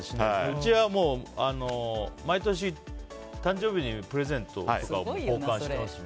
うちは毎年、誕生日にプレゼントも交換してますし。